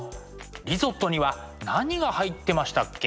リゾットには何が入ってましたっけ？